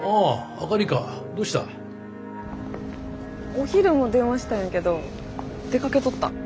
お昼も電話したんやけど出かけとった？